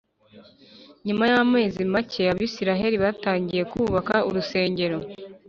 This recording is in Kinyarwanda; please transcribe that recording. Nyuma y amezi make Abisirayeli batangiye kubaka urusengero